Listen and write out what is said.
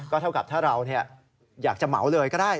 เท่ากับถ้าเราอยากจะเหมาเลยก็ได้